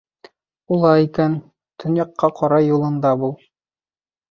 — Улай икән, төньяҡҡа ҡарай юлында бул!